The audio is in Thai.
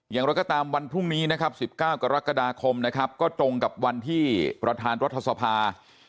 อย่างไรก็ตามวันพรุ่งนี้นะครับ๑๙กรกฎาคมนะครับก็ตรงกับวันที่ประธานรัฐสภา